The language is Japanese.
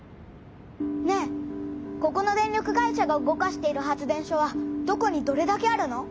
ねえここの電力会社が動かしている発電所はどこにどれだけあるの？